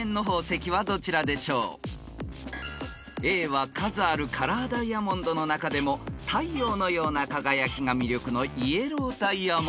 ［Ａは数あるカラーダイヤモンドの中でも太陽のような輝きが魅力の］